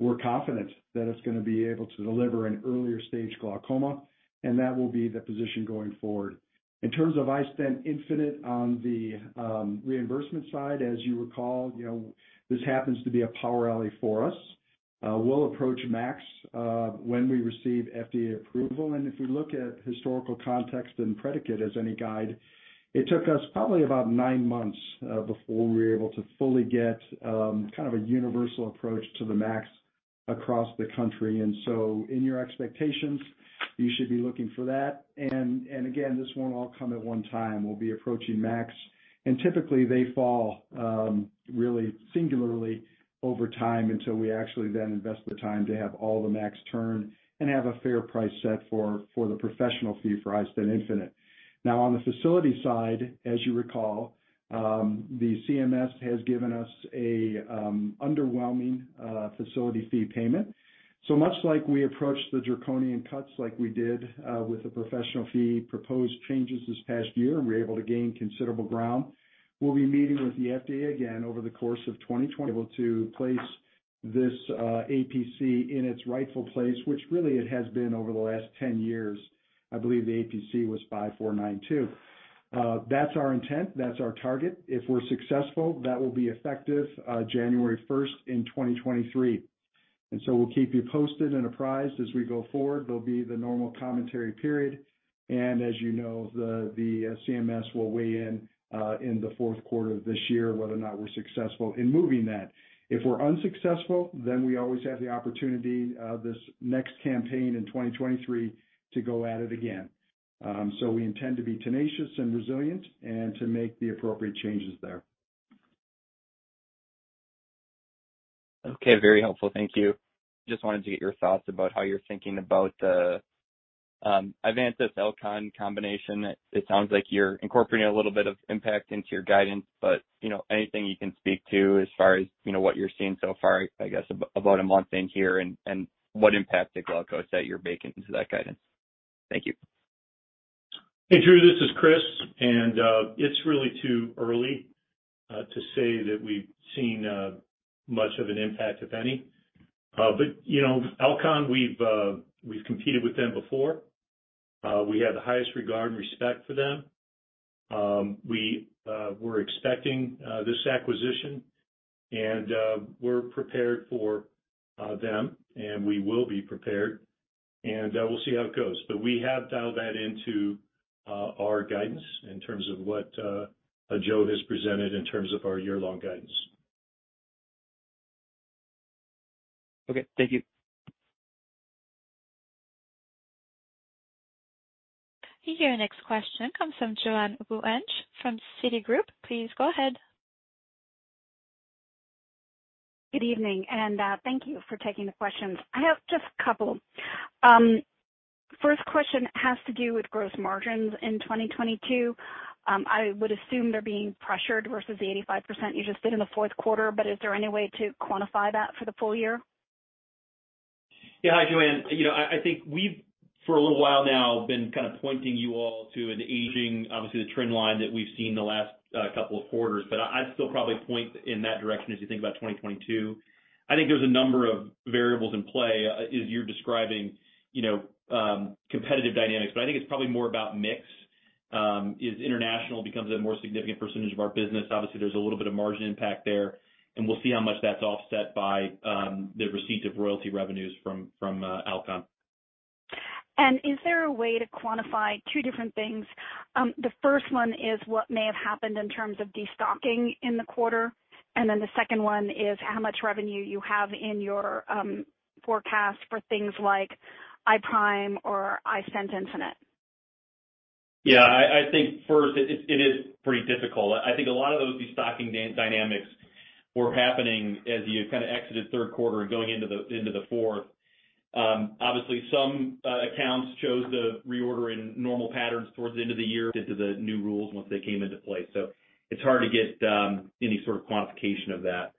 we're confident that it's gonna be able to deliver in earlier stage glaucoma, and that will be the position going forward. In terms of iStent infinite on the reimbursement side, as you recall, you know, this happens to be a power alley for us. We'll approach MACs when we receive FDA approval. If we look at historical context and precedent as any guide, it took us probably about nine months before we were able to fully get kind of a universal approach to the MACs across the country. In your expectations, you should be looking for that. Again, this won't all come at one time. We'll be approaching MACs. Typically, they fall really singularly over time until we actually then invest the time to have all the MACs turn and have a fair price set for the professional fee for iStent infinite. Now on the facility side, as you recall, the CMS has given us a underwhelming facility fee payment. Much like we approached the draconian cuts like we did with the professional fee proposed changes this past year, and we were able to gain considerable ground. We'll be meeting with the FDA again over the course of 2020, able to place this APC in its rightful place, which really it has been over the last 10 years. I believe the APC was 5492. That's our intent. That's our target. If we're successful, that will be effective January first in 2023. We'll keep you posted and apprised as we go forward. There'll be the normal commentary period. As you know, CMS will weigh in in the Q4 of this year, whether or not we're successful in moving that. If we're unsuccessful, we always have the opportunity of this next campaign in 2023 to go at it again. We intend to be tenacious and resilient and to make the appropriate changes there. Okay. Very helpful. Thank you. Just wanted to get your thoughts about how you're thinking about the Ivantis/Alcon combination. It sounds like you're incorporating a little bit of impact into your guidance, but you know, anything you can speak to as far as you know, what you're seeing so far, I guess, about a month in here and what impact to Glaukos that you're baking into that guidance? Thank you. Hey, Drew. This is Chris. It's really too early to say that we've seen much of an impact, if any. You know, Avedro, we've competed with them before. We have the highest regard and respect for them. We were expecting this acquisition. We're prepared for them, and we will be prepared, and we'll see how it goes. But we have dialed that into our guidance in terms of what Joe has presented in terms of our year-long guidance. Okay, thank you. Your next question comes from Joanne Wuensch from Citigroup. Please go ahead. Good evening, and thank you for taking the questions. I have just a couple. First question has to do with gross margins in 2022. I would assume they're being pressured versus the 85% you just did in the Q4, but is there any way to quantify that for the full year? Yeah. Hi, Joanne. You know, I think we've for a little while now been kind of pointing you all to an aging, obviously the trend line that we've seen the last couple of quarters. I'd still probably point in that direction as you think about 2022. I think there's a number of variables in play, as you're describing, you know, competitive dynamics. I think it's probably more about mix. As international becomes a more significant percentage of our business, obviously there's a little bit of margin impact there, and we'll see how much that's offset by the receipt of royalty revenues from Alcon. Is there a way to quantify two different things? The first one is what may have happened in terms of destocking in the quarter, and then the second one is how much revenue you have in your forecast for things like iPRIME or iStent infinite. Yeah. I think first it is pretty difficult. I think a lot of those destocking dynamics were happening as you kind of exited Q3 and going into the fourth. Obviously some accounts chose to reorder in normal patterns towards the end of the year into the new rules once they came into play. So it's hard to get any sort of quantification of that.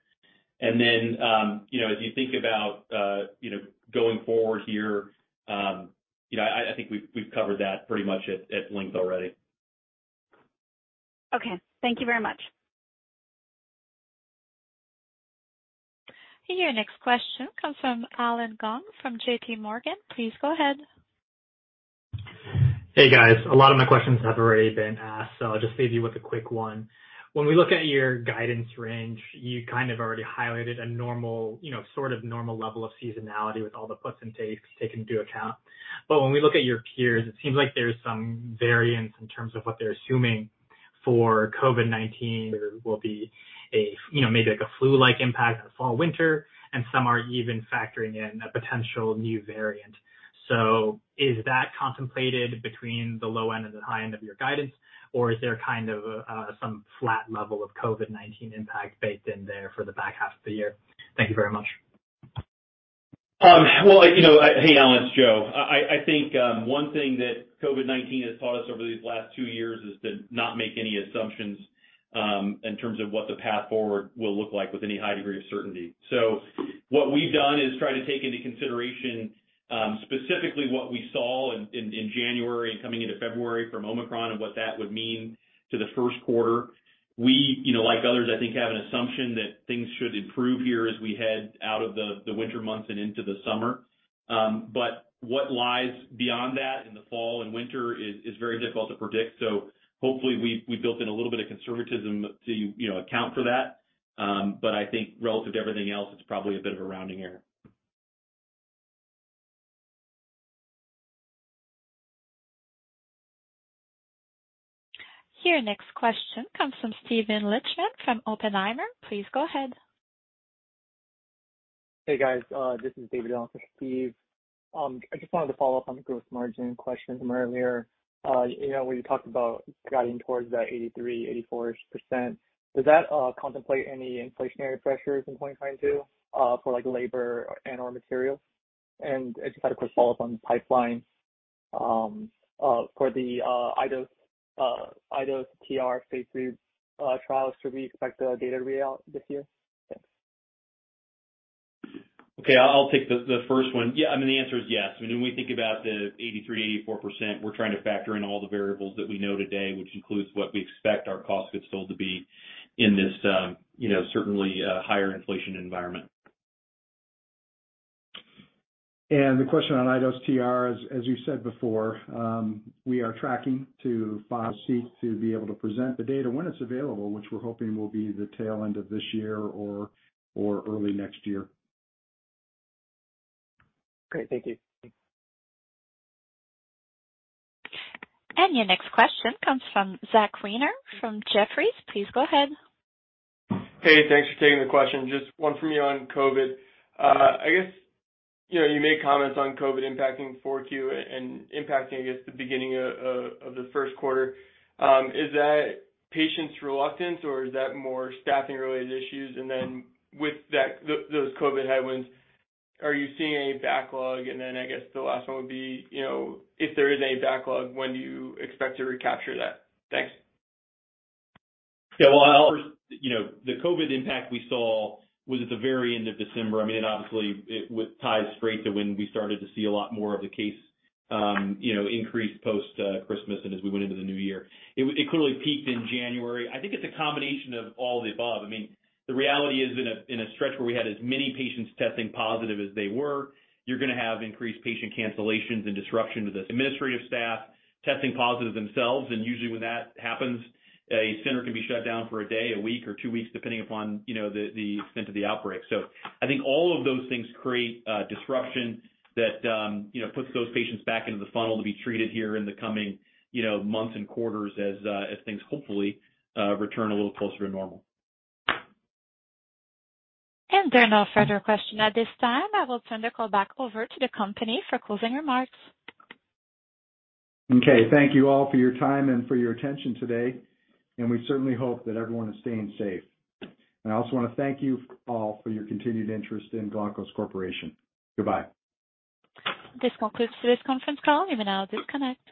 You know, as you think about, you know, going forward here, you know, I think we've covered that pretty much at length already. Okay. Thank you very much. Your next question comes from Allen Gong from JPMorgan. Please go ahead. Hey, guys. A lot of my questions have already been asked, so I'll just leave you with a quick one. When we look at your guidance range, you kind of already highlighted a normal, you know, sort of normal level of seasonality with all the puts and takes taken into account. When we look at your peers, it seems like there's some variance in terms of what they're assuming for COVID-19. There will be a, you know, maybe like a flu-like impact in the fall/winter, and some are even factoring in a potential new variant. Is that contemplated between the low end and the high end of your guidance, or is there kind of, some flat level of COVID-19 impact baked in there for the back half of the year? Thank you very much. Well, you know, hey, Alan, it's Joe. I think one thing that COVID-19 has taught us over these last two years is to not make any assumptions in terms of what the path forward will look like with any high degree of certainty. What we've done is try to take into consideration specifically what we saw in January and coming into February from Omicron and what that would mean to the Q1. We, you know, like others, I think, have an assumption that things should improve here as we head out of the winter months and into the summer. But what lies beyond that in the fall and winter is very difficult to predict. Hopefully we built in a little bit of conservatism to, you know, account for that. I think relative to everything else, it's probably a bit of a rounding error. Your next question comes from Steven Lichtman from Oppenheimer. Please go ahead. Hey, guys. This is David in for Steve. I just wanted to follow up on the gross margin question from earlier. You know, when you talked about guiding towards that 83%-84-ish%, does that contemplate any inflationary pressures in 2022 for like labor and/or materials? I just had a quick follow-up on the pipeline. For the iDose phase III trials, should we expect the data to be out this year? Thanks. Okay. I'll take the first one. Yeah, I mean, the answer is yes. I mean, when we think about the 83%-84%, we're trying to factor in all the variables that we know today, which includes what we expect our cost of goods sold to be in this, you know, certainly higher inflation environment. The question on iDose TR, as you said before, we are tracking to file. We seek to be able to present the data when it's available, which we're hoping will be the tail end of this year or early next year. Great. Thank you. Your next question comes from Zach Weiner from Jefferies. Please go ahead. Hey, thanks for taking the question. Just one for me on COVID. I guess, you know, you made comments on COVID impacting Q4 and impacting, I guess, the beginning of the Q1. Is that patients' reluctance or is that more staffing-related issues? And then with that, those COVID headwinds, are you seeing a backlog? And then I guess the last one would be, you know, if there is any backlog, when do you expect to recapture that? Thanks. Yeah. Well, first, you know, the COVID impact we saw was at the very end of December. I mean, obviously it would tie straight to when we started to see a lot more of the case, you know, increase post Christmas and as we went into the new year. It clearly peaked in January. I think it's a combination of all the above. I mean, the reality is in a stretch where we had as many patients testing positive as they were, you're gonna have increased patient cancellations and disruption to this. Administrative staff testing positive themselves, usually when that happens, a center can be shut down for a day, a week or two weeks, depending upon, you know, the extent of the outbreak. I think all of those things create disruption that, you know, puts those patients back into the funnel to be treated here in the coming, you know, months and quarters as things hopefully, return a little closer to normal. There are no further questions at this time. I will turn the call back over to the company for closing remarks. Okay. Thank you all for your time and for your attention today, and we certainly hope that everyone is staying safe. I also wanna thank you all for your continued interest in Glaukos Corporation. Goodbye. This concludes today's conference call. You may now disconnect.